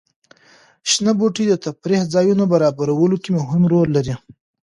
شنه بوټي د تفریح ځایونو برابرولو کې مهم رول لري.